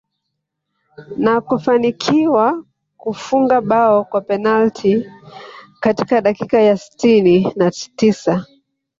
Na kufanikiwa kufunga bao kwa penalti katika dakika ya sitini na tisa